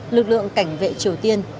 lực lượng cảnh vệ triều tiên